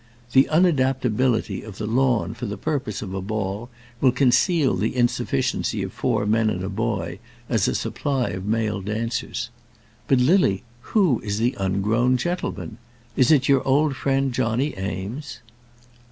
The unadaptability of the lawn for the purposes of a ball will conceal the insufficiency of four men and a boy as a supply of male dancers. But, Lily, who is the ungrown gentleman? Is it your old friend Johnny Eames?"